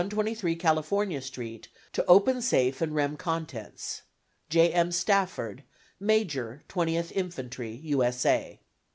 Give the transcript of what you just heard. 123 California Street, to open safe and remove contents. J. M. Stafford, Major 20th Infantry, U. S. A.